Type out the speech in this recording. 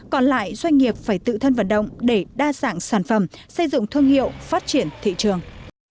còn lại doanh nghiệp phải tự thân vận động để đa sản phẩm xây dựng thương hiệu phát triển thị trường